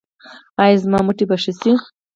ایا زما مټې به ښې شي؟